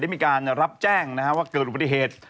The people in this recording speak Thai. ได้มีการรับแจ้งว่าเกิดหรือปฏิเหตุ